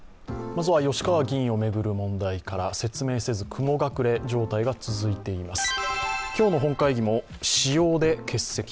まずは吉川議員を巡る問題から、説明せず雲隠れ状態が続いています。